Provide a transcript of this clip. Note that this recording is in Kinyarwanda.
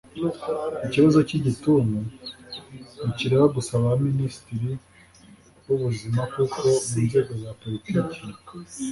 Ikibazo cy’igituntu ntikireba gusa ba Minisitiri b’ubuzima kuko mu nzego za politiki